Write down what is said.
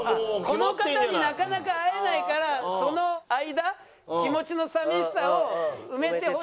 この方になかなか会えないからその間気持ちの寂しさを埋めてほしい。